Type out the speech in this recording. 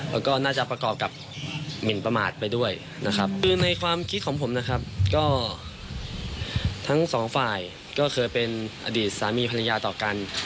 แล้วก็น่าจะประกอบกับหมินประมาทไปด้วยนะครับคือในความคิดของผมนะครับก็ทั้งสองฝ่ายก็เคยเป็นอดีตสามีภรรยาต่อกัน